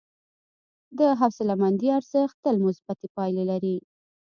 د حوصلهمندي ارزښت تل مثبتې پایلې لري.